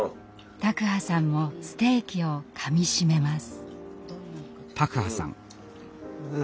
卓巴さんもステーキをかみしめます。